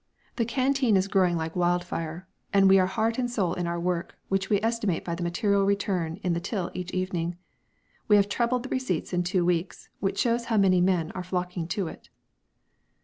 The canteen is growing like wildfire, and we are heart and soul in our work, which we estimate by the material return in the till each evening. We have trebled the receipts in two weeks, which shows how the men are flocking to it.